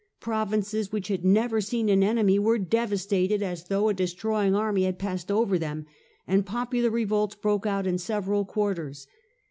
Provinces which had never seen an enemy were devastated as though a destroying army had passed over them, and popular revolts broke out in several quarters.